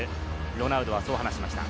ロナウドはそう話しました。